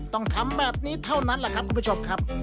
ต้องทำแบบนี้เท่านั้นแหละครับคุณผู้ชมครับ